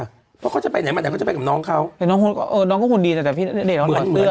เพราะเขาจะไปไหนมาแต่เขาจะไปกับน้องเขาแต่น้องเออน้องก็หุ่นดีแต่แต่พี่ณเดชน์เขาเหลือเสื้อไง